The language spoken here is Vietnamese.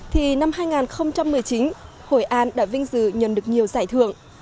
thì năm hai nghìn một mươi chín hội an đã vinh dự nhận được nhiều giải thưởng